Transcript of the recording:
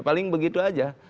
paling begitu aja